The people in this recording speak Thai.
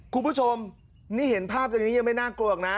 คุณผู้ชมนี่เห็นภาพจากนี้ยังไม่น่ากลวกนะ